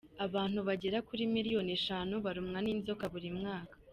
Abantu bagera kuri miliyoni eshanu barumwa n’ inzoka buri mwaka.